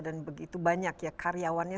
dan begitu banyak ya karyawannya